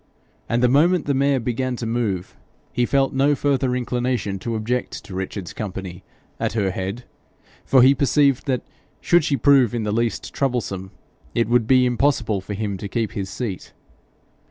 And the moment the mare began to move, he felt no further inclination to object to Richard's company at her head, for he perceived that, should she prove in the least troublesome, it would be impossible for him to keep his seat.